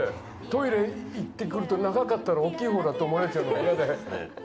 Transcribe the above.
トイレ行ってくるって、長かったら大きいほうだと思われちゃったら嫌で。